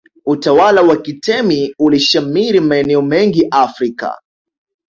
utawala wa kitemi ulishamiri maeneo mengi afrika